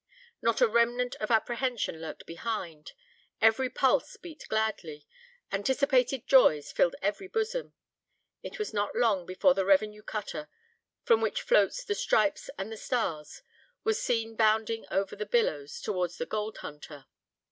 Not a remnant of apprehension lurked behind; every pulse beat gladly; anticipated joys filled every bosom. It was not long before the revenue cutter, from which floats the stripes and the stars, was seen bounding over the billows towards the Gold Hunter.